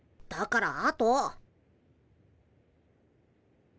だからあと。